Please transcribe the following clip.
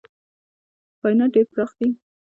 کاینات ډېر پراخ دي.